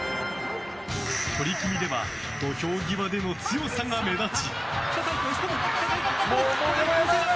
取組では土俵際での強さが目立ち。